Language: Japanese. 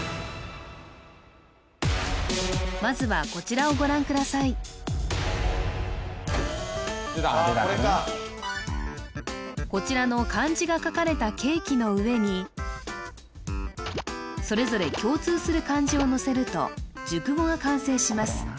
まずはこちらの漢字が書かれたケーキの上にそれぞれ共通する漢字をのせると熟語が完成します